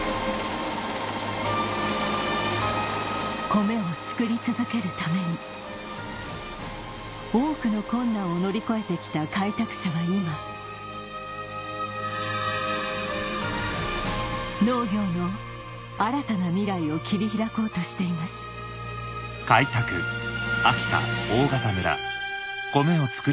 コメを作り続けるために多くの困難を乗り越えて来た開拓者は今農業の新たな未来を切り開こうとしていますはいせの。